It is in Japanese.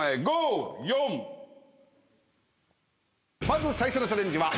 まず最初のチャレンジは。